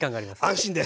安心です。